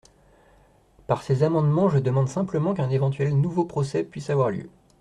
Par ces amendements, je demande simplement qu’un éventuel nouveau procès puisse avoir lieu.